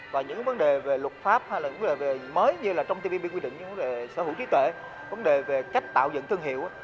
pháp hay là vấn đề về mới như là trong tpp quy định vấn đề về sở hữu trí tuệ vấn đề về cách tạo dựng thương hiệu